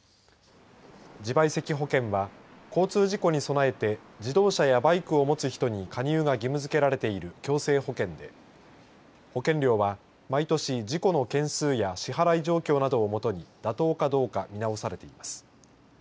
自賠責保険は交通事故に備えて自動車やバイクを持つ人に加入が義務づけられている強制保険で保険料は毎年事故の件数や支払い状況などをもとに妥当かどうか見直されています。